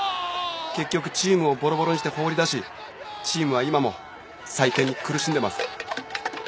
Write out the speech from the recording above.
結局チームをぼろぼろにして放り出しチームは今も再建に苦しんでます。